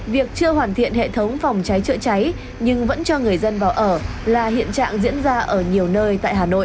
việc chưa hoàn thiện hệ thống phòng cháy chữa cháy nhưng vẫn cho người dân vào ở là hiện trạng diễn ra ở nhiều nơi tại hà nội